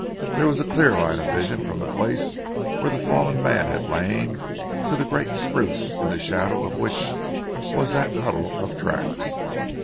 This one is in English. There was a clear line of vision from the place where the fallen man had lain to the great spruce in the shadow of which was that huddle of tracks.